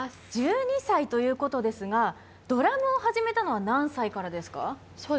１２歳ということですが、ドラムを始めたのは何歳からですか？